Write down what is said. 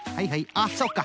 ああそうか。